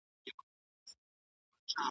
لا به څو زلمۍ کومه عزراییله بوډۍ ورځي .